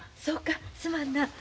そうかすまんな。